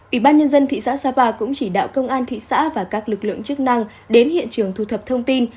ủy ban nhân dân thị xã sapa cũng chỉ đạo công an thị xã và các lực lượng chức năng đến hiện trường thu thập thông tin